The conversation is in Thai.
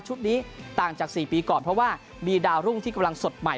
นี้ต่างจาก๔ปีก่อนเพราะว่ามีดาวรุ่งที่กำลังสดใหม่